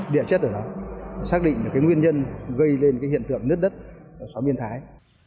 địa chất ở đó xác định được cái nguyên nhân gây lên cái hiện tượng nứt đất ở xóm biên thái